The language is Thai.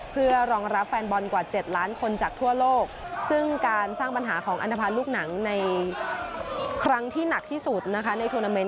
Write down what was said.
เพื่อรองรับแฟนบอลกว่า๗ล้านคนจากทั่วโลกซึ่งการสร้างปัญหาของอันตภัณฑ์ลูกหนังในครั้งที่หนักที่สุดนะคะในทวนาเมนต